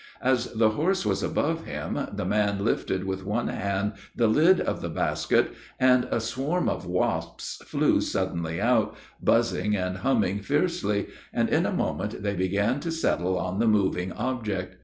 As the horse was above him, the man lifted with one hand the lid of the basket, and a swarm of wasps flew suddenly out, buzzing and humming fiercely, and in a moment they began to settle on the moving object.